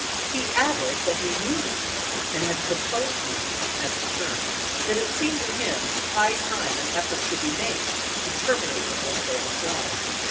He added that he knew nothing and had proposed nothing as to terms ; that it seemed to him high time an effort should be made to terminate the wholesale slaughter.